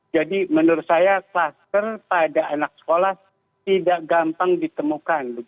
jadi menurut saya kluster pada anak sekolah tidak gampang ditemukan